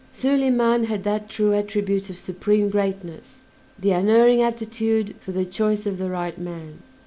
Soliman had that true attribute of supreme greatness, the unerring aptitude for the choice of the right man.